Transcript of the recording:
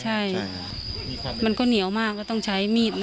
ใช่มันก็เหนียวมากก็ต้องใช้มีด